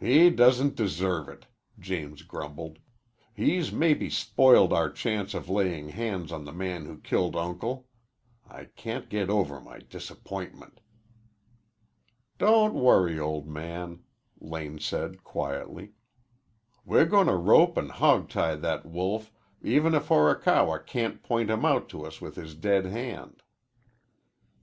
"He doesn't deserve it," James grumbled. "He's maybe spoiled our chance of laying hands on the man who killed Uncle. I can't get over my disappointment." "Don't worry, old man," Lane said quietly. "We're goin' to rope an' hogtie that wolf even if Horikawa can't point him out to us with his dead hand."